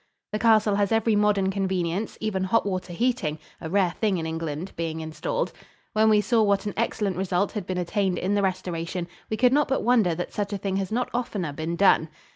The castle has every modern convenience, even hot water heating a rare thing in England being installed. When we saw what an excellent result had been attained in the restoration, we could not but wonder that such a thing has not oftener been done.